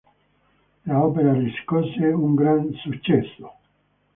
L'opera riscosse un gran successo.